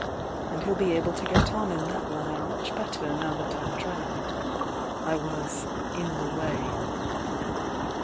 And he'll be able to get on in that hne much better now that I'm drowned. I was 'in the way.'